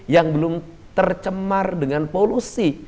yang belum tercemar dengan polusi